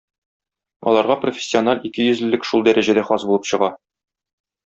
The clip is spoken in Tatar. Аларга профессиональ икейөзлелек шул дәрәҗәдә хас булып чыга.